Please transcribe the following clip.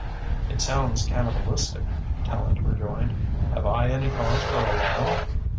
"It sounds cannibalistic," Tallente rejoined. "Have I any cause for alarm?"